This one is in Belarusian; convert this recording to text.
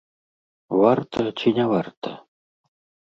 Варта ці не варта?